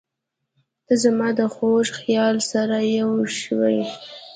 • ته زما د خوږ خیال سره یوه شوې.